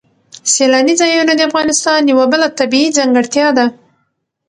سیلاني ځایونه د افغانستان یوه بله طبیعي ځانګړتیا ده.